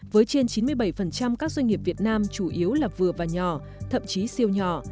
với trên chín mươi bảy các doanh nghiệp việt nam chủ yếu là vừa và nhỏ thậm chí siêu nhỏ